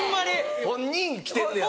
本人来てんのやろ？